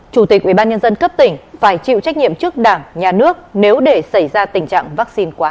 chủ tịch ubnd cấp tỉnh phải chịu trách nhiệm trước đảng nhà nước nếu để xảy ra tình trạng vaccine quá